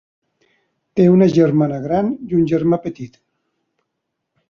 Té una germana gran i un germà petit.